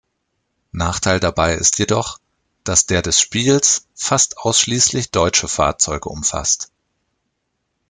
Nachteil dabei ist jedoch, dass der des Spiels fast ausschließlich deutsche Fahrzeuge umfasst.